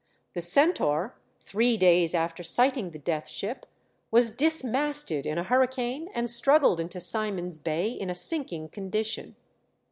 The Centaur, three days after sighting the Death Ship, was dismasted in a hurricane and struggled into Simon's Bay in a sinking condition.